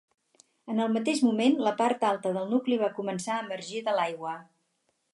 En el mateix moment, la part alta del nucli va començar a emergir de l'aigua.